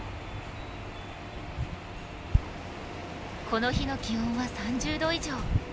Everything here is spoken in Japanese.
この日の気温は３０度以上。